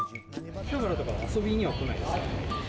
秋葉原とか遊びには来ないですか？